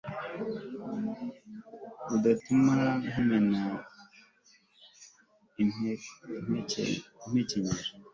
udatuma nkumena impekenyero